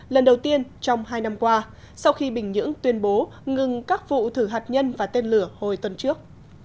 lần đầu tiên trong hai năm qua sau khi bình nhưỡng tuyên bố ngừng các vụ thử hạt nhân và tên lửa hồi tuần trước